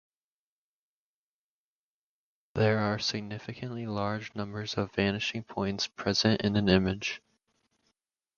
There are significantly large numbers of vanishing points present in an image.